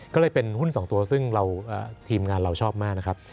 ก็เลยเป็นหุ้น๒ตัวซึ่งทีมงานเราชอบมากนะครับ